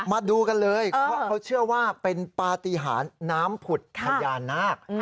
มาดูกันเลยเพราะเขาเชื่อว่าเป็นปฏิหารน้ำผุดพญานาค